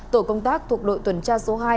tổ công tác thuộc đội tuần tra số hai